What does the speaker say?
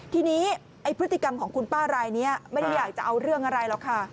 ทีนี้ไอ้พฤติกรรมของคุณป้ารายนี้ไม่ได้อยากจะเอาเรื่องอะไรหรอกค่ะ